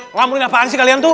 ngelamunin apaan sih kalian tuh